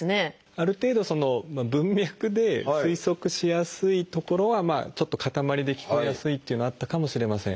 ある程度文脈で推測しやすい所はちょっと固まりで聞こえやすいっていうのはあったかもしれません。